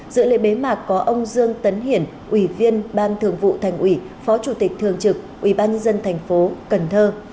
giữa lệ bế mạc có ông dương tấn hiển ủy viên ban thường vụ thành ủy phó chủ tịch thường trực ủy ban nhân dân thành phố cần thơ